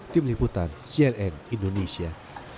tim liputan cln indonesia